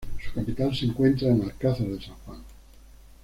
Su capital se encuentra en Alcázar de San Juan.